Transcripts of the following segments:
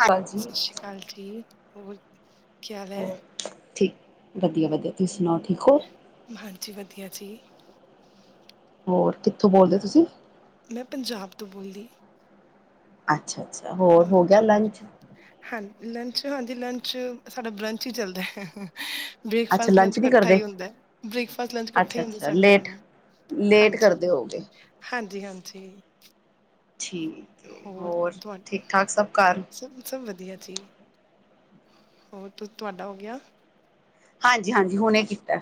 ਹਾਂਜੀ ਸਤਿ ਸ਼੍ਰੀ ਅਕਾਲ ਜੀ ਹੋਰ ਕੀ ਹਾਲ ਐ? ਹੋਰ ਠੀਕ ਵਧੀਆ-ਵਧੀਆ, ਤੁਸੀਂ ਸੁਣਾਓ? ਠੀਕ ਹੋ ਹਾਂਜੀ ਵਧੀਆ ਜੀ, ਹੋਰ ਕਿੱਥੋਂ ਬੋਲਦੇ ਔ ਤੁਸੀਂ? ਮੈਂ ਪੰਜਾਬ ਤੋਂ ਬੋਲਦੀ, ਅੱਛਾ-ਅੱਛਾ, ਹੋਰ ਹੋ ਗਿਆ ਲੰਚ? ਹਾਂ ਲੰਚ ਹਾਂਜੀ ਲੰਚ ਸਾਡਾ ਬਰੰਚ ਹੀ ਚੱਲਦਾ ਹੈ। ਅੱਛਾ ਬ੍ਰੇਕਫਾਸਟ ਲੰਚ ਨਹੀਂ ਇਕੱਠਾ ਕਰਦੇ ਹੀ ਹੁੰਦਾ ਹੈ ਬ੍ਰੇਕਫਾਸਟ ਲੰਚ ਇਕੱਠਾ ਅੱਛਾ ਹੀ ਹੁੰਦਾ ਅੱਛਾ ਸੰਡੇ ਲੇਟ ਨੂੰ, ਲੇਟ ਕਰਦੇ ਹੋਗੇ ਹਾਂਜੀ-ਹਾਂਜੀ-ਹਾਂਜੀ, ਠੀਕ, ਹੈ ਹੋਰ ਤੁਸੀ, ਠੀਕ ਠਾਕ ਸਭ ਘਰ ਸਭ ਸਭ ਵਧੀਆ ਜੀ ਹੋਰ ਤ ਤੁਹਾਡਾ ਹੋ ਗਿਆ? ਹਾਂਜੀ-ਹਾਂਜੀ ਹੁਣੇ ਕੀਤਾ।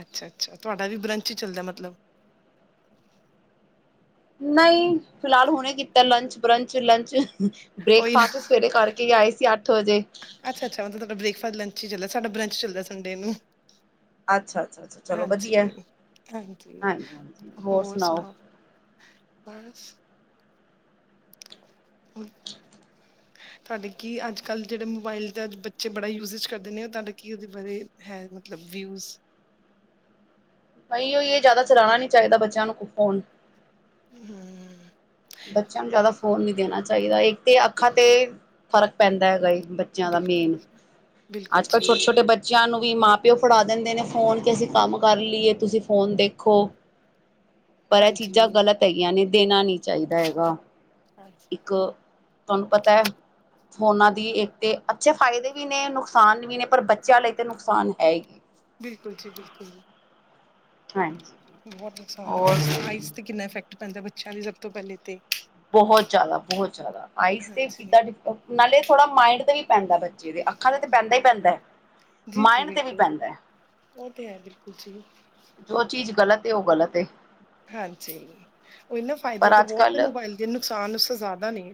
ਅੱਛਾ-ਅੱਛਾ ਤੁਹਾਡਾ ਵੀ ਬਰੰਚ ਹੀ ਚੱਲਦਾ ਮਤਲਬ ਨਹੀਂ ਫਿਲਹਾਲ ਹੁਣੇ ਕੀਤਾ ਲੰਚ ਬਰੰਚ ਲੰਚ, ਉਹੀ ਨਾ ਬ੍ਰੇਕਫਾਸਟ ਸਵੇਰੇ ਕਰਕੇ ਹੀ ਆਏ ਸੀ ਅੱਠ ਵਜੇ ਅੱਛਾ-ਅੱਛਾ ਮਤਲਬ ਤੁਹਾਡਾ ਬ੍ਰੇਕਫਾਸਟ ਲੰਚ ਹੀ ਚੱਲਦਾ ਸਾਡਾ ਬ੍ਰੰਚ ਚੱਲਦਾ ਸੰਡੇ ਨੂੰ, ਅੱਛਾ-ਅੱਛਾ-ਅੱਛਾ ਚਲੋ ਵਧੀਆ ਹਾਂਜੀ। ਹਾਂਜੀ, ਹਾਂਜੀ-ਹਾਂਜੀ, ਹੋਰ ਸੁਣਾਓ? ਹਰ ਹ [unintelligible] ਤੁਹਾਡੇ ਕਿ ਅੱਜ ਕੱਲ੍ਹ ਜਿਹੜੇ ਮੋਬਾਈਲ ਦਾ ਅੱਜ ਬੱਚੇ ਬੜਾ ਯੂਜੇਜ ਕਰਦੇ ਨੇ ਉਹ ਤੁਹਾਡਾ ਕਿ ਉਹਦੇ ਬਾਰੇ ਹੈ ਮਤਲਬ, ਵਿਊਜ਼ ਨਹੀਂ ਉਹਏ ਜ਼ਿਆਦਾ ਚਲਾਉਣਾ ਨੀ ਚਾਹੀਦਾ ਬੱਚਿਆਂ ਨੂੰ ਫੋਨ, ਹੂੰ, ਬੱਚਿਆਂ ਨੂੰ ਜ਼ਿਆਦਾ ਫੋਨ ਨੀ ਦੇਣਾ ਚਾਹੀਦਾ ਇੱਕ ਤੇ ਅੱਖਾਂ ਤੇ ਫ਼ਰਕ ਪੈਂਦਾ ਹੈਗਾ ਏ ਬੱਚਿਆਂ ਦਾ ਬਿਲਕੁਲ ਮੇਨ ਬਿਲਕੁਲ ਅੱਜ ਕੱਲ੍ਹ ਜੀ ਛੋਟੇ-ਛੋਟੇ ਬੱਚਿਆਂ ਨੂੰ ਮਾਂ ਪਿਓ ਫੜਾ ਦਿੰਦੇ ਨੇ ਫੋਨ ਕਿ ਅਸੀਂ ਕੰਮ ਕਰ ਲਈਏ ਤੁਸੀਂ ਫੋਨ ਦੇਖੋ ਪਰ ਇਹ ਚੀਜ਼ਾਂ ਹਾਂਜੀ ਗ਼ਲਤ ਹੈਗੀਆਂ ਨੇ ਦੇਣਾ ਨੀ ਚਾਹੀਦਾ ਹੈਗਾ। ਇੱਕ ਤੁਹਾਨੂੰ ਪਤਾ ਹੈ। ਉਹਨਾਂ ਦੀ ਇੱਕ ਤੇ ਅੱਛੇ ਫਾਇਦੇ ਵੀ ਨੇ ਨੁਕਸਾਨ ਵੀ ਨੇ ਪਰ ਬੱਚਿਆਂ ਲਈ ਤਾਂ ਨੁਕਸਾਨ ਹੈ ਹੀ ਬਿਲਕੁਲ ਜੀ ਬਿਲਕੁਲ ਹਾਜੀ ਬਹੁਤ ਨੁਕਸਾਨ ਆ ਤੇ ਕਿੰਨਾ ਇਫੈਕਟ ਪੈਂਦਾ ਬੱਚਿਆਂ ਸਭ ਤੋਂ ਪਹਿਲੇ ਤੇ ਬਹੁਤ ਜ਼ਿਆਦਾ ਬਹੁਤ ਜ਼ਿਆਦਾ ਆਈਸ ਤੇ ਸਿੱਧ ਹਾਂਜੀ ਡਿਟ ਨਾਲੇ ਥੋੜਾ ਮਾਇੰਡ ਤੇ ਵੀ ਪੈਂਦਾ ਜਿਦੇ ਅੱਖਾਂ ਤੇ ਤੇ ਪੈਂਦਾ ਹੀ ਪੈਂਦਾ ਹੈ ਜੀ ਜੀ ਮਾਇਡ ਤੇ ਵੀ ਬਿਲਕੁਲ ਪੈਂਦਾ ਹੈ ਉਹ ਤੇ ਹੈ ਬਿਲਕੁਲ ਜੀ ਜੋ ਚੀਜ਼ ਗ਼ਲਤ ਹੈ ਉਹ ਗ਼ਲਤ ਹੈ। ਹਾਂਜੀ ਉਹ ਨਾ ਫਾਇਦੇ ਪਰ ਤੇ ਅੱਜ ਬਹੁਤ ਹੈ ਕੱਲ੍ਹ ਮੋਬਾਇਲ ਦੇ ਨੁਕਸਾਨ ਉਸ ਜ਼ਿਆਦਾ ਨੇਂ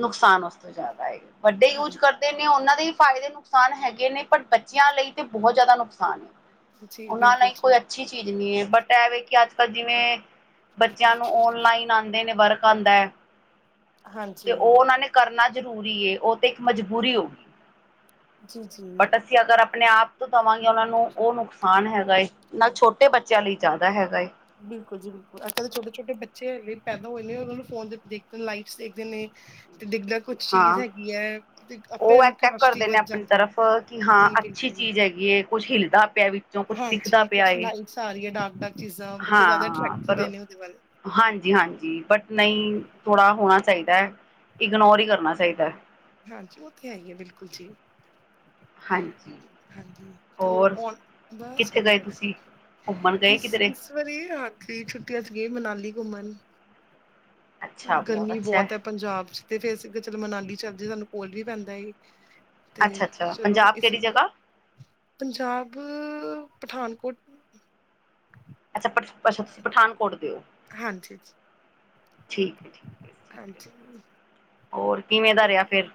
ਨੁਕਸਾਨ ਉਸ ਤੋਂ ਜ਼ਿਆਦਾ ਹੈ ਵੱਡੇ ਯੂਜ ਹਾਂਜੀ ਕਰਦੇ ਨੇ ਉਹਨਾਂ ਦੇ ਹੀ ਫਾਇਦੇ ਨੇ ਨੁਕਸਾਨ ਹੈਗੇ ਨੇ ਪਰ ਬੱਚਿਆਂ ਲਈ ਤੇ ਬਹੁਤ ਜ਼ਿਆਦਾ ਨੁਕਸਾਨ ਜੀ ਉਹਨਾਂ ਬਿਲਕੁਲ ਲਈ ਜੀ ਕੋਈ ਅੱਛੀ ਚੀਜ਼ ਨਹੀਂ ਹੈ ਬਟ ਇਹਵੇ ਕਿ ਅੱਜ ਕੱਲ੍ਹ ਜਿਵੇਂ ਬੱਚਿਆਂ ਨੂੰ ਔਨਲਾਈਨ ਆਉਂਦੇ ਨੇ ਵਰਕ ਆਦਾ ਹੈ। ਤੇ ਹਾਂਜੀ ਉਹ ਉਹਨਾਂ ਨੇ ਕਰਨਾ ਜ਼ਰੂਰੀ ਉਹ ਤੇ ਇੱਕ ਮਜਬੂਰੀ ਹੋਗੀ ਜੀ ਜੀ ਬਟ ਅਸੀ ਅਗਰ ਆਪਾਂ ਆਪਣੇ ਆਪ ਤੋਂ ਦੇਵਾਂਗੇ ਉਹਨਾਂ ਨੂੰ ਉਹ ਨੁਕਸਾਨ ਹੈਗਾ ਏ ਨਾਲ ਛੋਟੇ ਬੱਚਿਆਂ ਲਈ ਜ਼ਿਆਦਾ ਹੈਗਾ ਏ ਬਿਲਕੁਲ ਜੀ ਬਿਲਕੁਲ ਅੱਜ ਕੱਲ ਦੇ ਛੋਟੇ-ਛੋਟੇ ਬੱਚੇ ਪੈਦਾ ਹੋਏ ਨੇ ਉਹਨਾਂ ਨੂੰ ਫੋਨ ਦੇ ਦੇਖਦੇ ਲਾਈਟਸ ਦੇਖਦੇ ਨੇ ਤੇ ਡਿੱਗਦਾ ਕੁਛ ਚੀਜ਼ ਹਾਂ ਹੈਗੀ ਹੈ ਤੇ ਆਪੇ ਉਹ ਅਟੈਕ ਇਨਟਰਾਸਟ ਕਰਦੇ ਨੇ ਵੱਧ ਆਪਣੀ ਜਾਂਦੀ ਹੈ ਤਰਫ ਕਿ ਹਾਂ ਜੀ ਅੱਛੀ ਬਿਲਕੁਲ ਚੀਜ਼ ਹੈਗੀ ਏ ਕੁੱਝ ਹਿਲਦਾ ਪਿਆ ਵਿੱਚੋਂ ਕੁਛ ਦਿਖਦਾ ਹਾਂਜੀ ਪਿਆ ਕੁਛ ਲਾਈਟਸ ਆ ਰਹੀ ਹੈ ਡਾਰਕ ਡਾਰਕ ਚੀਜ਼ਾਂ ਬੱਚੇ ਜ਼ਿਆਦਾ ਹਾਂ ਅਟਰੈਕਟ ਹੁੰਦੇ ਪਰ, ਨੇ ਉਹਦੇ ਵੱਲ ਹਾਂਜੀ-ਹਾਂਜੀ, ਬਟ ਨਹੀਂ ਥੋੜ੍ਹਾ ਹੋਣਾ ਚਾਹੀਦਾ ਇਗਨੋਰ ਹੀ ਕਰਨਾ ਚਾਹੀਦਾ ਹਾਂਜੀ, ਉਹ ਤੇ ਹੈ ਹੀ ਹੈ। ਬਿਲਕੁਲ ਜੀ ਹਾਂਜੀ ਹਾਂਜੀ ਤੇ ਹੋਰ ਕੋਲ, ਬਸ ਕਿੱਥੇ ਗਏ ਵਧੀਆ ਤੁਸੀਂ ਘੁੰਮਣ ਗਏ ਇਸ ਕਿਧਰੇ -ਇਸ ਵਾਰੀ ਆਖੀਰ ਛੁੱਟੀਆਂ ਚ ਗਈ ਮਨਾਲੀ ਘੁੰਮਣ ਗਰਮੀ ਬਹੁਤ ਹੈ ਪੰਜਾਬ ਚ ਤੇ, ਫਿਰ ਚਲ ਮਨਾਲੀ ਚਲਦੀ, ਸਾਨੂੰ ਕੋਲ ਵੀ ਪੈਂਦਾ ਸੀ ਅੱਛਾ-ਅੱਛਾ, ਪੰਜਾਬ ਕਿਹੜੀ ਜਗ੍ਹਾ? ਪੰਜਾਬ, ਪਠਾਨਕੋਟ ਅੱਛਾ ਪ ਅੱਛਾ, ਤੁਸੀਂ ਪਠਾਨਕੋਟ ਦੇ ਹੋ ਹਾਂਜੀ ਜੀ ਠੀਕ ਹੈ ਠੀਕ ਹੈ ਠੀਕ ਹੈ ਹਾਂਜੀ ਹੋਰ ਕਿਵੇਂ ਦਾ ਰਿਹਾ ਫਿਰ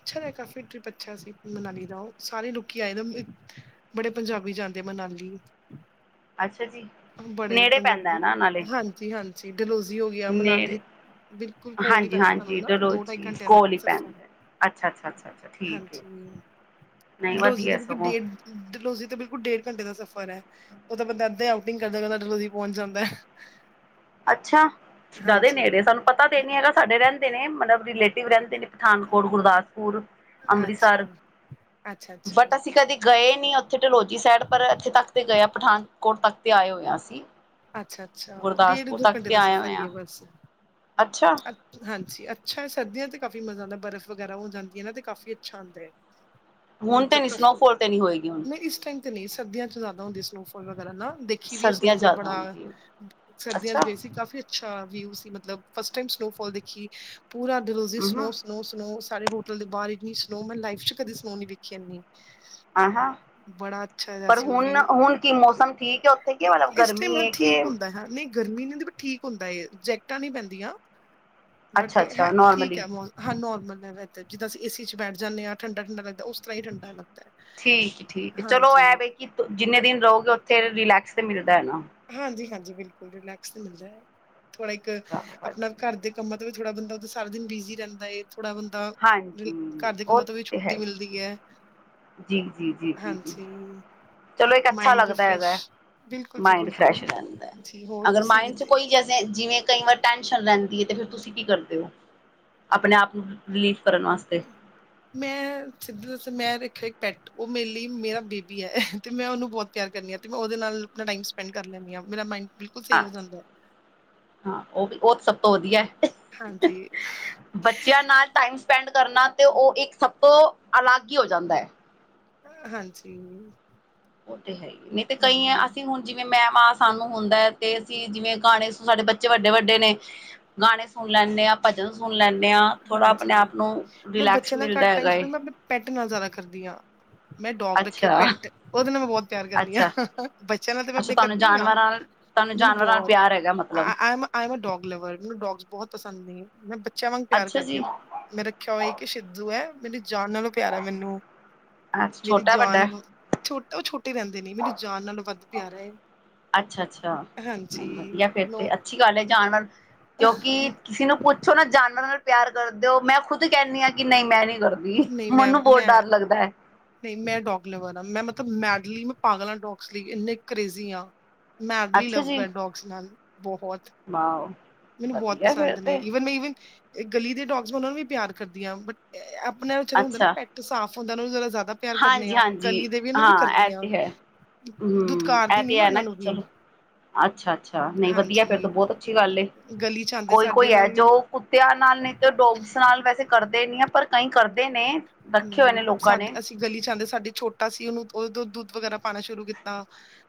ਅੱਛਾ ਰਿਹਾ ਕਾਫ਼ੀ ਟ੍ਰਿਪ ਅੱਛਾ ਸੀ, ਮਨਾਲੀ ਦਾ ਉਹ ਸਾਰੇ ਲੋਕੀ ਆਏ ਦੇ, ਬੜੇ ਪੰਜਾਬੀ ਜਾਂਦੇ ਅੱਛਾ ਜੀ ਬੜੇ ਨੇੜੇ ਪੰਜਾਬੀ, ਹਾਂਜੀ-ਹਾਂਜੀ ਨੇੜ ਬਿਲਕੁਲ ਕੋਲ ਹੀ ਪੈਂਦਾ ਸਾਨੂੰ ਹਾਂਜੀ-ਹਾਂਜੀ, ਨਾ ਦੋ ਢਾਈ ਡਲਹੋਜ਼ੀ ਘੰਟਿਆਂ ਦਾ ਕੋਲ ਈ ਸਫ਼ਰ ਪੈਂਦਾ, ਅੱਛਾ-ਅੱਛਾ ਠੀਕ ਹੈ। ਡਲੋਹਜ਼ੀ ਦੇ ਬਿਲਕੁਲ, ਡੇਢ ਡਲੋਹਜ਼ੀ ਤੇ ਬਿਲਕੁਲ ਡੇਢ ਘੰਟੇ ਦਾ ਸਫ਼ਰ ਉਹ ਤਾਂ ਬੰਦਾ ਏਦਾਂ ਹੀ, ਆਉਟਿੰਗ ਕਰਦਾ ਕਰਦਾ ਡਲੋਹਜ਼ੀ ਪਹੁੰਚ ਜਾਂਦਾ ਅੱਛਾ ਜ਼ਿਆਦੇ ਹਾਂਜੀ ਨੇੜੇ ਸਾਨੂੰ ਪਤਾ ਤੇ ਨੀ ਹੈਗਾ, ਸਾਡੇ ਰਹਿੰਦੇ ਨੇ ਮਤਲਬ ਰਿਲੇਟਿਵ ਰਹਿੰਦੇ ਨੇ, ਪਠਾਨਕੋਟ ਗੁਰਦਾਸ ਅੱਛਾ ਅੰਮ੍ਰਿਤਸਰ ਅੱਛਾ ਅੱਛਾ ਬਟ ਅਸੀਂ ਕਦੇ ਗਏ ਨੀ ਇਥੇ ਡਲੋਹਜ਼ੀ ਜੀ ਸਾਈਡ ਪਰ ਇੱਥੇ ਤੱਕ ਤੇ ਗਏ, ਪਠਾਨਕੋਟ ਤੱਕ ਤੇ ਆਏ ਹੋਏ ਆ ਅਸੀਂ ਅੱਛਾ-ਅੱਛਾ, ਡੇਢ ਗੁਰਦਾਸਪੁਰ ਦੋ ਤੱਕ ਘੰਟੇ ਤੇ ਦਾ ਆਏ ਸਫ਼ਰ ਹੋਏ ਹੀ ਆ ਹੈ ਬਸ ਅੱਛਾ ਹਾਂਜੀ ਅੱਛਾ ਹੈ ਸਰਦੀਆਂ ਤੇ ਕਾਫੀ ਮਜ਼ਾ ਆਉਂਦਾ ਬਰਫ਼ ਵਗੈਰਾ ਹੋ ਜਾਂਦੀ ਹੈ ਨਾ ਤੇ, ਕਾਫ਼ੀ ਅੱਛਾ ਆਉਂਦਾ ਹੈ ਹੁਣ ਤੇ ਮਤਲਬ ਨੀ ਕਾਫੀ ਸਨੋਫਾਲ ਤੇ ਨਹੀਂ ਹੋਏਗੀ ਹੁਣ ਨਹੀਂ ਇਸ ਟਾਈਮ ਨਹੀਂ ਸਰਦੀਆਂ ਚ ਜ਼ਿਆਦਾ ਹੁੰਦੀ ਸਨੋਫਾਲ ਨਾ ਦੇਖੀ ਵੀ ਹੈ ਸਰਦੀਆਂ ਸਨੋਫਾਲ ਜ਼ਿਆਦਾ ਬੜਾ ਹੁੰਦੀ ਹੈ ਸਰਦੀਆਂ ਅੱਛਾ ਚ ਗਈ ਸੀ ਕਾਫ਼ੀ ਅੱਛਾ ਵਿਊ ਸੀ ਮਤਲਬ ਫਸਟ ਟਾਈਮ ਸਨੋਅਫਾਲ ਦੇਖੀ, ਪੂਰਾ ਦਿਲ ਸੀ ਹੂੰ-ਹੂੰ ਸਨੋਅ, ਸਨੋਅ, ਸਨੋਅ, ਸ ਸਾਡੇ ਹੋਟਲ ਦੇ ਬਾਹਰ ਇਹਨੀ ਸਨੋਅ ਮੈਂ ਲਾਈਫ ਚ ਕਦੇ ਸਨੋ ਨਹੀਂ ਵੇਖੀ ਇਹਨੀ। ਆਹ ਹਾਂ। ਜਿਹਾ ਪਰ ਸੀ ਉਹ ਵਿਊ ਹੁਣ-ਹੁਣ ਕੀ ਮੌਸਮ ਠੀਕ ਹੈ ਉੱਥੇ ਕੀ ਮਤਲਬ ਇਸ ਟਾਈਮ ਗਰਮੀ ਹੈ ਕਿ ਠੀਕ ਹੁੰਦਾ ਹੈ ਨਹੀਂ ਗਰਮੀ ਨਹੀਂ ਠੀਕ ਹੁੰਦਾ ਏ ਜੈਕਟਾਂ ਨੀ ਪੈਂਦੀਆਂ ਅੱਛਾ ਬਟ ਅੱਛਾ ਠੀਕ ਨੋਰਮਲੀ ਹੈ ਜਿੱਦਾਂ ਅਸੀ ਏਸੀ ਚ ਬੈਠ ਜਾਂਦੇ ਹਾਂ, ਠੰਡਾ-ਠੰਡਾ ਲੱਗਦਾ ਦਾ ਉਸ ਤਰ੍ਹਾਂ ਹੀ ਠੰਡਾ ਠੀਕ-ਠੀਕ, ਹੈ ਚਲੋ ਹਾਂਜੀ ਐਵੇ ਕਿ ਜਿੰਨੇ ਦਿਨ ਰਹੋਗੇ ਉੱਥੇ ਰਿਲੈਕਸ ਤੇ ਮਿਲਦਾ ਹੈ ਨਾ। ਹਾਂਜੀ- ਹਾਂਜੀ, ਬਿਲਕੁਲ ਰਿਲੈਕਸ ਤੇ ਮਿਲਦਾ ਹੈ। ਥੋੜ੍ਹਾ ਇੱਕ ਆਪਣਾ ਘਰ ਦੇ ਕੰਮਾਂ ਤੋਂ ਥੋੜਾ ਬੰਦਾ ਉਦੋਂ ਸਾਰਾ ਦਿਨ ਬਿਜ਼ੀ ਰਹਿੰਦਾ ਏ। ਥੋੜਾ ਬੰਦਾ, ਹਾਂਜੀ ਘਰ ਦੇ ਉਹ ਕੰਮਾਂ ਤੋਂ ਵੀ ਤੇ ਛੁੱਟੀ ਹੈ ਮਿਲਦੀ ਹੈ। ਜੀ, ਜੀ, ਜੀ, ਜੀ, ਜੀ, ਹਾਂਜੀ ਚਲੋ ਇੱਕ ਅੱਛਾ ਮਾਇੰਡ ਵੀ ਲੱਗਦਾ ਹੈਗਾ ਫਰੈਸ਼ ਹੈ ਬਿਲਕੁਲ ਜੀ ਮਾਈੰਡ। ਬਿਲਕੁਲ ਜੀ ਹੋਰ ਅਗਰ ਤੁਸੀਂ ਮਾਇੰਡ ਚ ਕਿੱਥੇ ਕੋਈ ਜੈਸੇ, ਜਿਵੇਂ ਕਈ ਵਾਰ ਟੈਂਨਸ਼ਨ ਰਹਿੰਦੀ ਹੈ, ਤੇ ਫਿਰ ਤੁਸੀਂ ਕੀ ਕਰਦੇ ਹੋ। ਆਪਣੇ ਆਪ ਨੂੰ ਰਿਲੀਫ ਕਰਨ ਵਾਸਤੇ ਮੈਂ ਸਿੱਧੂ ਤੇ ਮੈਂ ਰੱਖਿਆ ਇੱਕ ਪੈੱਟ ਉਹ ਮੇਰੇ ਲਈ ਮੇਰਾ ਬੇਬੀ ਹੈ ਤੇ ਮੈਂ ਉਹਨੂੰ ਬਹੁਤ ਪਿਆਰ ਕਰਨੀ ਆ ਤੇ, ਮੈਂ ਉਹਦੇ ਨਾਲ ਆਪਣਾ ਟਾਈਮ ਸਪੈਂਡ ਕਰ ਲੈਂਦੀ ਹਾਂ ਮੇਰਾ ਮਾਈੰਡ। ਹਾਂ, ਉਹ ਵੀ ਉਹ ਤੇ ਸਭ ਤੋਂ ਵਧੀਆ। ਹਾਂਜੀ ਬੱਚਿਆਂ ਨਾਲ ਟਾਈਮ ਸਪੈਂਡ। ਕਰਨਾ ਤੇ, ਉਹ ਇੱਕ ਸਭ ਤੋਂ ਅਲੱਗ ਹੀ ਹੋ ਜਾਂਦਾ ਹੈ। ਹਾਂਜੀ। ਉਹ ਤੇ ਹੈ ਹੀ, ਨਹੀਂ ਤੇ ਕਈ ਹੈ ਹਮ ਅਸੀਂ ਹੁਣ ਜਿਵੇਂ ਮੈਂ ਮਾਂ ਸਾਨੂੰ ਹੁੰਦਾ ਤੇ, ਅਸੀਂ ਜਿਵੇਂ ਗਾਣੇ ਸਾਡੇ ਬੱਚੇ ਵੱਡੇ- ਵੱਡੇ ਨੇ ਗਾਣੇ ਸੁਣ ਲੈਣੇ। ਨਯਾ ਭਜਨ ਸੁਣ ਲੈਂਦੇ ਹਾਂ, ਥੋੜ੍ਹਾ ਆਪਣੇ ਹਾਂਜੀ ਆਪ ਨੂੰ ਮੈਂ ਰਿਲੈਕਸ ਬੱਚੇ ਨਾਲ ਮਿਲਦਾ ਘੱਟ ਟਾਈਮ ਹੈਗਾ ਏ। ਸਪੈਂਡ ਮੈਂ ਆਪਣੇ ਪੈਟ ਨਾਲ ਜ਼ਿਆਦਾ ਕਰਦੀਆਂ। ਮੈਂ ਡੋਗ ਰੱਖਿਆ ਅੱਛਾ, ਪੈਟ ਉਹਦੇ ਨਾਲ ਮੈਂ ਬਹੁਤ ਪਿਆਰ ਕਰੀ ਹਾਂ ਅੱਛਾ, ਬੱਚਿਆਂ ਨਾਲ ਤੇ ਮੈਂ ਅੱਛਾ ਆਪਣੇ ਤੁਹਾਨੂੰ ਕਰਦੀ ਹਾਂ। ਜਾਨਵਰਾਂ ਨਾਲ [unintelligible] ਤੁਹਾਨੂੰ ਮੈਂ ਜਾਨਵਰਾਂ ਨਾਲ ਪਿਆਰ ਹੈਗਾ ਮਤਲਬ ਬੱਚਿਆਂ ਵਾਂਗ ਪਿਆਰ ਅੱਛਾ ਕਰਦੀ ਜੀ ਹਾਂ ਮੈਂ ਰੱਖਿਆ ਹੋਇਆ ਕਿ ਸਿੱਧੂ ਹੈ। ਮੇਰੀ ਜਾਨ ਨਾਲੋਂ ਪਿਆਰ ਹੈ ਮੈਨੂੰ, ਅੱਛਾ ਮੇਰੀ ਛੋਟਾ ਜਾਨ ਵੱਡਾ ਛੋਟਾ ਉਹ ਛੋਟ ਰਹਿੰਦੇ ਨੇ ਮੈਨੂੰ ਜਾਣ ਨਾਲ ਵੱਧ ਪਿਆਰਾ ਹੈ। ਅੱਛਾ-ਅੱਛਾ ਹਾਂਜੀ ਨਹੀਂ ਵਧੀਆ ਫਿਰ ਨੋ ਤੇ ਅੱਛੀ ਗੱਲ ਹੈ ਜਾਨਵਰ ਕਿਉਂਕਿ ਨਹੀਂ ਤੁਸੀ ਨੂੰ ਪੁੱਛੋ ਨਾ ਜਾਨਵਰਾਂ ਨਾਲ ਪਿਆਰ ਕਰਦੇ ਹੋ, ਮੈਂ ਖੁਦ ਕਹਿੰਦੀ ਹਾਂ ਕਿ ਨਹੀਂ ਮੈਂ ਨੀ। ਕਰਦੀ। ਨਹੀਂ ਮੈਂਮ ਮੈਨੂੰ ਬਹੁਤ ਮੈਂ ਡਰ ਲੱਗਦਾ ਹੈ ਨਹੀਂ ਮੈਂ ਡੋਗ ਲਵਰ ਮੈਂ ਮਤਲਬ ਮੈ ਲੀ ਮੈਂ ਪਾਗਲਾਂ ਡੋਗਸ ਲਈ ਇੰਨੇ ਕਰੇਜ਼ੀ ਆ ਮੈਡਲੀ ਅੱਛਾ ਲਵ ਜੀ ਮੈਂ ਡੋਗਸ ਨਾਲ ਬਹੁਤ ਵਾਓ। ਮੈਨੂੰ ਬਹੁਤ ਵਧੀਆ ਫਿਰ ਪਸੰਦ ਨੇ ਤੇ ਈਵਨ ਗਲੀ ਦੇ ਡੋਗਸ ਉਹਨਾ ਨੂੰ ਵੀ ਪਿਆਰ ਕਰਦੀਆਂ ਬਟ ਆਪਣਿਆ ਵਿੱਚ ਹੁੰਦਾ ਨਾ ਅੱਛਾ ਪੈਂਟ ਸਾਫ਼ ਹੁੰਦਾ ਉਹ ਨੂੰ ਜ ਜ਼ਿਆਦਾ ਪਿਆਰ ਕਰਨੇ ਆਾਂ ਹਾਂਜੀ-ਹਾਂਜੀ ਗਲੀ ਦੇ ਵੀ ਨੂੰ ਵੀ ਹਾਂ ਇਹ ਕਰਦੀਆਂ। ਤੇ ਹੈ। ਹੂੰ ਦੁਤਕਾਰ ਇਹ ਦੀ ਨੀ ਤੇ ਮੈਂ ਹੈ ਨਾ ਉਹਨਾਂ ਨੂੰ ਕਿ ਵੀ। ਚਲੋ ਅੱਛਾ-ਅੱਛਾ ਨਹੀਂ ਵਧੀਆ ਫਿਰ ਹਾਂਜੀ ਤੋਂ ਬਹੁਤ ਅੱਛੀ ਗੱਲ ਏ। ਗਲੀ ਚ ਆਉਂਦੇ ਕੋਈ ਸਾਡੇ ਕੋਈ ਉਹਨਾਂ ਹੈ ਨੂੰ ਵੀ ਜੋ ਕੁੱਤਿਆਂ ਨਾਲ ਨਹੀਂ ਤੇ ਡੋਗਸ ਨਾਲ ਵੈਸੇ ਕਰਦਾ। ਪਰ ਕਈ ਕਰਦੇ ਨੇ। ਰੱਖੇ ਹੋਏ ਨੇ ਨਹੀਂ ਲੋਕਾਂ ਸਾਡੇ ਨੇ ਅਸੀਂ ਗਲੀ ਜਾਂਦੇ ਸਾਡੀ ਛੋਟਾ ਸੀ ਉਹਨੂੰ ਉਹ ਦੁੱਧ ਵਗੈਰਾ ਪਾਉਣਾ ਸ਼ੁਰੂ ਕੀਤਾ।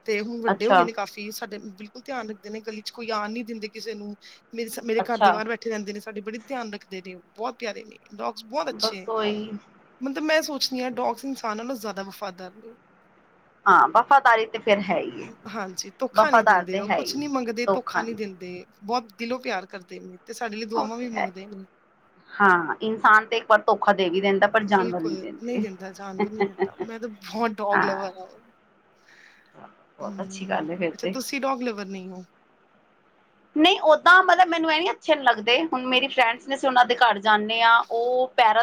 ਤੇ ਹੁਣ ਵੱਡੇ ਹੋ ਗਏ ਨੇ ਕਾਫ਼ੀ ਸਾਡੇ ਬਿਲਕੁਲ ਧਿਆਨ ਰੱਖਦੇ ਨੇ ਗਲੀ ਚ ਕੋਈ ਆ ਨੀ ਦਿੰਦੇ ਕਿਸੇ ਨੂੰ। ਮੇਰੇ ਮੇਰੇ ਘਰ ਦੇ ਅੱਛਾ-ਅੱਛਾ ਬਾਹਰ ਬੈਠੇ ਰਹਿੰਦੇ ਨੇ ਸਾਡੇ ਬੜੀ ਧਿਆਨ ਰੱਖਦੇ ਨੇ ਬਹੁਤ ਪਿਆਰੇ ਨੇ। ਡੋਗਸ ਬਹੁਤ ਅੱਛੇ। ਬਸ ਉਹੀ ਮੈਂ ਸੋਚਦੀ ਹਾਂ ਡੋਗਸ ਇਨਸਾਨਾਂ ਨੂੰ ਜ਼ਿਆਦਾ ਵਫ਼ਾਦਾਰ ਨੇ। ਹਾਂ ਵਫ਼ਾਦਾਰੀ। ਤੇ ਫਿਰ ਹੈ ਹੀ ਹੈ ਹਾਂਜੀ ਧੋਖਾ ਨੀ ਵਫ਼ਾਦਾਰ ਦਿੰਦੇ ਤੇ ਉਹ ਹੈ ਹੀ ਕੁਛ ਨੀ ਮੰਗਦੇ ਧੋਖਾ ਨੀ ਦਿੰਦੇ। ਬੋਤ ਦਿਲੋਂ ਪਿਆਰ ਕਰਦੇ ਨੇੇ। ਉਹ ਤੇ ਹੈ ਹਾਂ ਇਨਸਾਨ ਤੇ ਏਕ ਵਾਰ ਧੋਖਾ ਦੇ ਵੀ ਦਿੰਦਾ ਐ। ਬਿਲਕੁਲ ਨਹੀਂ ਦਿੰਦਾ ਜਾਨ ਵੀ ਨਈ ਦਿੰਦਾ ਮੈਂ ਤੇ ਬਹੋਤ ਡੋਗ ਹਾਂ ਲਵਰ ਆ। ਬਹੁਤ ਅੱਛੀ ਹੂੰ ਗੱਲ ਹੈ ਫਿਰ ਅੱਛਾ ਤੇ ਤੁਸੀਂ ਡੋਗ ਲਵਰ ਨਹੀਂ ਹੋ? ਨਹੀਂ ਓਦਾਂ ਪੈਰਾਂ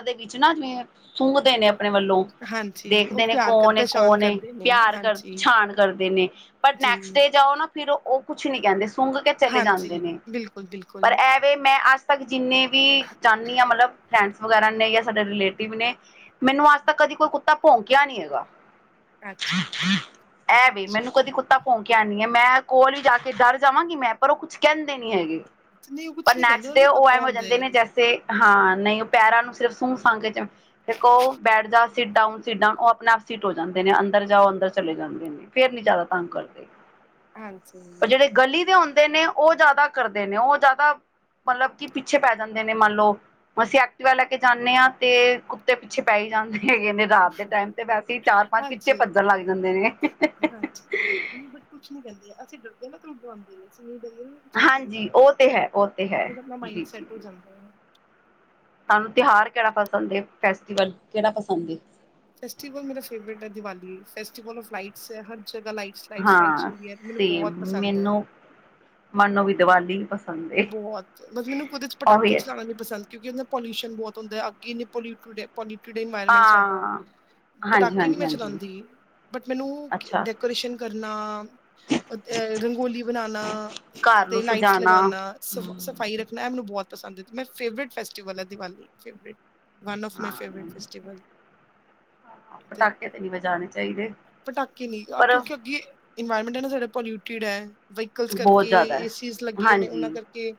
ਦੇ ਵਿੱਚ ਨਾ ਜਿਵੇਂ ਸੁੰਘਦੇ ਨੇ। ਆਪਨੇ ਵੱਲੋਂ ਹਾਂਜੀ ਉਹ ਦੇਖਦੇ ਨੇ ਪਿਆਰ ਕਰ ਕੌਣ ਏ ਪਹਿਚਾਣ ਕੌਣ ਏ ਕਰਦੇ ਨੇ ਪਿਆਰ ਕਰ ਹਾਂਜੀ ਪਛਾਣ ਕਰਦੇ ਨੇ ਪਰ ਜੀ ਨੈਕਸਟ ਡੇ ਜਾਓ ਨਾ ਫਿਰ ਓਹ ਕੁਛ ਨੀ ਕਹਿੰਦੇ ਸੁੰਘ ਕੇ ਚਲੇ ਹਾਂਜੀ ਜਾਂਦੇ ਨੇ ਬਿਲਕੁਲ ਬਿਲਕੁਲ ਪਰ ਐ ਵੇਂ ਮੈਂ ਅ ਜਿੰਨੇ ਵੀ ਚਾਨੀ ਆ ਮਤਲਬ ਫਰੈਂਡਸ ਵਗੈਰਾ ਨੇ ਸਾਡੇ ਰਿਲੇਟਿਵ ਨੇ, ਮੈਨੂੰ ਅੱਜ ਤੱਕ ਕਦੀ ਕੋਈ ਕੁੱਤਾ ਭੋਂਕਿਆ ਨੀ ਹੈਗਾ। ਅੱਛਾ ਇਹ ਵੇ ਮੈਨੂੰ ਕਦੀ ਕੁੱਤਾ ਭੋਂਕਿਆ ਨੀ ਐ ਮੈਂ ਕੋਲ ਜਾ ਕੇ ਡਰ ਜਾਵਾਂਗੀ ਮੈਂ ਪਰ ਉਹ ਕੁਛ ਕਹਿੰਦੇ ਨੀ ਹੈਗੇ। ਅੱਛਾ, ਨਹੀਂ ਉਹ ਪਰ ਕੁਛ ਨੀ ਕਹਿੰਦੇ ਨੈਕਸਟ ਡੇ ਉਹਨੂੰ ਓਹ ਪਤਾ ਐ ਹੋ ਹੁੰਦਾ ਜਾਂਦੇ ਏ ਨੇ ਜੈਸੇ ਹਾਂ ਨਹੀਂ ਉਹ ਪੈਰਾਂ ਨੂੰ ਸਿਰਫ ਸੂੰਹ ਸਾਂ ਕੇ ਚ ਫ ਉਹ ਬੈਠ ਜਾ ਸੀ ਡਾਊਨ ਸ ਡਾਊਨ ਉਹ ਆਪਣੇ ਆਪ ਸੀਟ ਹੋ ਜਾਂਦੇ ਨੇ ਅੰਦਰ ਜਾਓ ਅੰਦਰ ਚਲੇ ਜਾਂਦੇ ਨੇ ਫੇਰ ਨੀ ਜ਼ਿਆਦਾ ਤੰਗ ਕਰਦੇ ਪਰ ਹਾਂਜੀ ਜਿਹੜੇ ਗਲੀ ਦੇ ਹੁੰਦੇ ਨੇ ਉਹ ਜ਼ਿਆਦਾ ਕਰਦੇ ਨੇ ਉਹ ਜ਼ਿਆਦਾ ਮਤਲਬ ਕਿ ਪਿੱਛੇ ਪੈ ਜਾਂਦੇ ਨੇ ਮੰਨ ਲਓ ਅਸੀਂ ਐਕਟਿਵਾ ਲੈ ਕੇ ਜਾਂਦੇ ਹਾਂ ਤੇ ਕੁੱਤੇ ਪਿੱਛੇ ਪੈ ਹੀ ਜਾਂਦੇ ਹੈਗੇ ਨੇ ਰਾਤ ਦੇ ਟਾਈਮ ਤੇ ਵੈਸੇ ਹੀ ਚਾਰ ਪੰਜ ਪਿੱੱਚੇ ਹਾਂਜੀ ਉਹ ਤੇ ਪੱਧਰ ਲੱਗ ਹੈ ਜਾਂਦੇ ਨੇ ਹਾਂਜੀ ਉਹ ਤੇ ਨਹੀਂ ਬਟ ਕੁਛ ਨੀ ਕਹਿੰਦੇ ਅਸੀਂ ਡਰਦੇ ਨਾ ਤੈੂੰ ਡੁਵਾਉਂਦੇ ਨੇ ਸੀ ਹਾਂਜੀ ਉਹ ਤੇ ਹੈ ਉਹ ਤੇ ਹੈ ਬਸ ਆਪਣਾ ਮਾਇੰਡ ਜੀ ਜੀ ਸੈਟ ਹੋ ਜੀ ਜਾਂਦਾ ਹੈ ਸਾਨੂੰ ਤਿਉਹਾਰ ਕਿਹੜਾ ਪਸੰਦ ਫੈਸਟੀਵਲ ਕਿਹੜਾ ਪਸੰਦ ਫੈਸਟੀਵਲ ਮੇਰਾ ਫੇਵਰੇਟ ਹੈ ਦੀਵਾਲੀ ਫੈਸਟੀਵਲ ਫ ਲਾਈਟਸ ਹੈ ਹਰ ਜਗਾ ਲਾਈ ਸਲਾ ਸਲਾਈਟਸ ਹਾਂ ਹੁੰਦੀਆਂ ਮੈਨੂੰ ਬਹੁਤ ਪਸੰਦ ਹੈ ਮੰਨੋ ਵੀ ਦੀਵਾਲੀ ਬ ਬਹੁਤ ਮਤਲਬ ਮੈਨੂੰ ਕੁਦੇ ਚ ਪਟਾਕੇ ਹੈ ਚਲਾਉਣਾ ਵੀ ਪਸੰਦ ਕਿਉਂਕਿ ਉਹ ਪੋਲਿਊਸ਼ਨ ਬਹੁਤ ਹੁੰਦਾ ਹੈ ਅੱਗੇ ਇੰ ਪੋਡ ਇਨਵਾਰਮੈਂਟ ਸਾਡਾ ਹਾਂ ਹਾਂਜੀ ਪਟਾਕੇ ਨੀ ਹਾਂਜੀ ਮੈਂ ਹਾਂਜੀ ਚਲਾਉਂਦੀ ਬਟ ਮੈਨੂੰ ਅੱਛਾ ਡੈਕੋਰੇਸ਼ਨ ਕਰਨਾ ਰੰਗੋਲੀ ਬਣਾਣਾ ਘਰ ਨੂੰ ਸਜਾਣਾ ਸਫ਼ਾਈ ਰੱਖਣਾ ਮੈਨੂੰ ਬਹੁਤ ਪਸੰਦ ਹੈ ਮੇਰਾ ਫੇਵਰੇਟ ਫੈਸਟੀਵਲ ਹੈ ਦਿਵਾਲੀ ਵਨ ਔਫ ਮਾਈ ਹਾਂ ਫੇਵਰੇਟ ਫੈਸਟੀਵਲ ਪਟਾਕੇ ਤੇ ਨਹੀਂ ਵਜਾਣੇ ਚਾਹੀਦੇ ਪਟਾਕੇ ਨੀ ਪਰ ਕਿਉਂਕਿ ਅੱਗੇ ਇਨਵਾਇਰਮੈਂਟ ਸਾਡਾ ਪੋਲਿਟਡ ਹੈ ਵਹੀਕਲ ਬਹੁਤ ਕਰਕੇ ਜ਼ਿਆਦਾ ਏ ਹੈ ਨੇ ਹਾਂਜੀ ਉਹਨਾਂ ਕਰਕੇ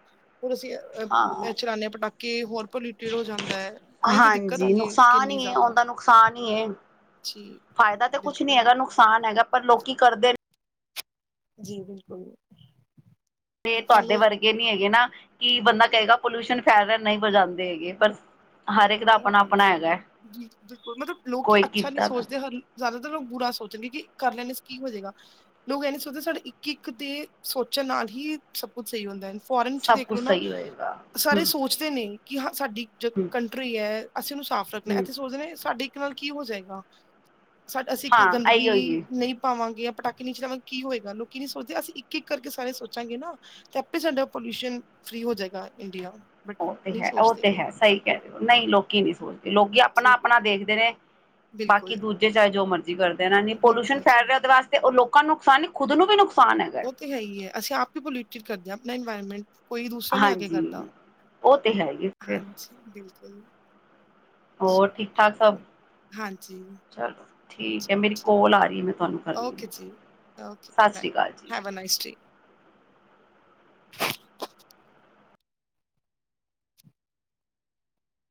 ਹੋਰ ਅਸੀਂ ਹਾਂ ਅ ਚਲਾਾਨੇ ਪਟਾਕੇ ਹੋਰ ਪੋਲਿਊਟਿਡ ਹੋ ਜਾਂਦਾ ਹੈ ਤਾਂ ਹੀ ਤਾਂ ਦਿੱਕਤ ਹਾਂਜੀ ਆਉਂਦੀ ਹੈ ਨੁਕਸਾਨ ਕਿੰਨੀ ਜ਼ਿਆਦਾ ਜੀ ਫ਼ਾਇਦਾ ਤਾਂ ਕੁਛ ਨੀ ਬਿਲਕੁਲ ਹੈਗਾ ਨੁਕਸਾਨ ਹੈਗਾ ਪਰ ਲੋਕੀ ਕਰਦੇ ਨੇ ਜੀ ਬਿਲਕੁਲ। ਤੇ ਤੁਹਾਡੇ ਸਾਨੂੰ ਵਰਗੇ ਨਹੀਂ ਹੈਗੇ ਨਾ। ਕਿ ਬੰਦਾ ਕਹੇਗਾ ਪੋਲਿਊਸ਼ਨ ਫੈਲ ਰਿਹਾ ਨਹੀਂ ਵਜਾਂਦੇ ਹੈਗੇ ਪਰ ਹਰ ਇੱਕ ਦਾ ਆਪਣਾ ਆਪਣਾ ਹਾਂਜੀ ਹੈਗਾ ਜੀ ਬਿਲਕੁਲ ਮਤਲਬ ਲੋਕੀ ਕੋਈ ਅੱਛਾ ਨਹੀ ਕੀਤਾ ਤਾਂ ਸੋਚਦੇ ਹਨ। ਜ਼ਿਆਦਾ ਤਰ, ਲੋਕ ਬੁਰਾ ਸੋਚਣਗੇ ਕਿ, ਕਰ ਲੈਂਦੇ ਕੀ ਹੋਜੇਗਾ, ਲੋਕ ਇਹ ਨੀ ਸੋਚਦੇ ਸਾਡੇ ਇੱਕ ਇੱਕ ਦੇ ਸੋਚ ਨਾ ਕਿ ਸਭ ਕੁਝ ਹੀ ਸਭ ਕੁਝ ਸਹੀ ਹੁੰਦਾ ਹੈ ਫੋਰਨ ਚ ਸਭ ਕੁਛ ਦੇਖਲੋ ਨਾ ਸਹੀ ਹੋਏਗਾ ਸਾਰੇ ਹਮ ਸੋਚਦੇ ਨੇ ਕਿ ਹਾਂ, ਸਾਡੀ ਜੋ ਹਮ ਕੰਟਰੀ ਹੈ ਅਸੀਂ ਉਹਨੂੰ ਸਾਫ਼ ਰੱਖਣਾ, ਹਮ ਇੱਥੇ ਸੋਚਦੇ ਨੇ ਸਾਡੀ ਨਾਲ ਕੀ ਹੋ ਜਾਏਗਾ, ਅਸੀਂ ਇੱਕ ਹਾਂ ਗੰਦਗੀ ਆਈ ਹੋਈ ਨਹੀਂ, ਪਾਵਾਂਗੇ ਪਟਾਕੇ ਨੀ ਚਲਾਵਾ ਗੇ ਕੀ ਹੋਏਗਾ। ਲੋਕੀ ਨੀ ਸੋਚਦੇ ਅਸੀਂ ਇਕ ਇਕ ਕਰਕੇ ਸਾਰੇ ਸੋਚਾਂਗੇ ਨਾ ਤੇ, ਆਪੇ ਸਾਡਾ ਪੋਲਿਊਸ਼ਨ ਫ਼ਰੀ ਹੋ ਜਾਏਗਾ, ਇੰਡੀਆ ਬਟ ਔ ਤੇ ਨਹੀਂ ਹੈ। ਔ ਸੋਚਦੇ ਤੇ ਲੋਕ ਹੈ। ਸਹੀ ਕਹਿ ਰਹੇ ਔ ਨਹੀਂ ਲੋਕੀ ਨਹੀਂ ਸੋਚਦੇ ਲੋਕੀ ਜੀ ਆਪਣਾ-ਆਪਣਾ ਦੇਖਦੇ ਨੇ। ਬਾਕੀ ਬਿਲਕੁਲ ਦੂਜੇ ਚਾਹੇ ਜੋ ਮਰਜ਼ੀ ਕਰਦੇ ਰੇਨ, ਇਹ ਪੋਲਿਊਸ਼ਨ ਬਿਲਕੁਲ ਫੈਲ ਜੀ ਰਿਹਾ, ਉਹਦੇ ਵਾਸਤੇ ਉਹ ਲੋਕ ਲੋਕਾ ਨੂੰ ਨੁਕਸਾਨ ਨੀ, ਖੁਦ ਨੂੰ ਵੀ ਨੁਕਸਾ ਉਹ ਤੇ ਹੈ ਹੀ ਹੈ ਅਸੀਂ ਆਪ ਹੀ ਪੋਲਿਊਟਡ ਕਰਦੇ ਹਾਂ ਆਪਣਾ ਇਨਵਾਇਰਮੈਂਟ ਕੋਈ ਦੂਸਰਾ ਨੀ ਆ ਕੇ ਹਾਂਜੀ ਕਰਦਾ। ਉਹ ਤੇ ਹੈ ਹੀ ਫਿਰ ਹਾਂਜੀ ਬਿਲਕੁਲ, ਹੋਰ ਚਲੋ ਠੀਕ ਠਾਕ ਸਭ, ਹਾਂਜੀ ਚਲੋ ਠੀਕ ਹੈ ਚਲੋ ਮੇਰੀ ਠੀਕ ਕੋਲ ਆ ਰਹੀ ਹੈ ਮੈਂ ਤੁਹਾਨੂੰ ਕਰਨੀ ਆ। ਓਕੇ ਜੀ okay have a night day